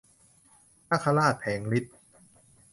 นาคราชแผลงฤทธิ์